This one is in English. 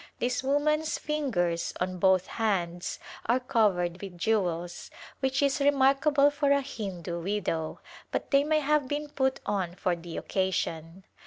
This woman's fingers on both hands are covered with jewels, which is remarkable for a Hindu widow, but they may have been put on for the occasion.